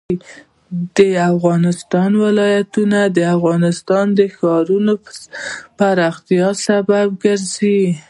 د افغانستان ولايتونه د افغانستان د ښاري پراختیا سبب کېږي.